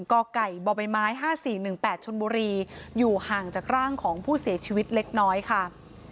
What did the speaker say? กไก่บใบไม้๕๔๑๘ชนบุรีอยู่ห่างจากร่างของผู้เสียชีวิตเล็กน้อยค่ะ